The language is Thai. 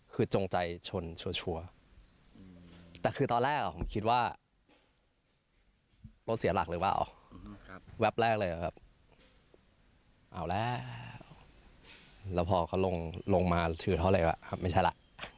คือจงใจชนชั่วแต่คือตอนแรกผมคิดว่าก็เสียหลักเลยป่าวแรบแรกเลยนะครับว่าแล้วงมาถือเขาเลยว่างไม่ใช่ละ